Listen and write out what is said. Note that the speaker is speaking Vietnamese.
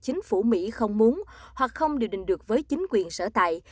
chính phủ mỹ không muốn hoặc không điều định được với chính quyền sở tại